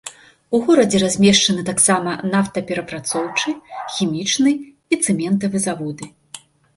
У горадзе размешчаны таксама нафтаперапрацоўчы, хімічны і цэментавы заводы.